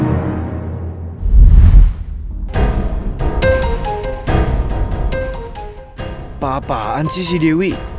apa apaan sih si dewi